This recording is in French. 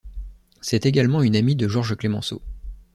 C'est également une amie de Georges Clemenceau.